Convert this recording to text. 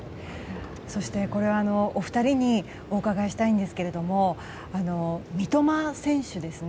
そして、これはお二人にお伺いしたいんですが三笘選手ですね。